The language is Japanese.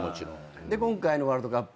で今回のワールドカップ。